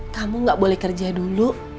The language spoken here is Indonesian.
kamu gak boleh kerja dulu